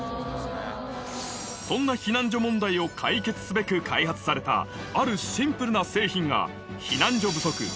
そんな避難所問題を解決すべく開発されたあるシンプルな製品が避難所不足